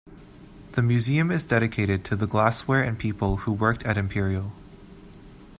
The museum is dedicated to the glassware and people who worked at Imperial.